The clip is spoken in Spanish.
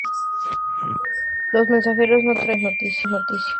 Los mensajeros no traían buenas noticias.